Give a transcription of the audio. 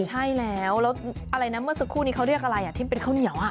ใช่แล้วอะไรสักครู่เขาเรียกอะไรที่เป็นข้าวเหนียว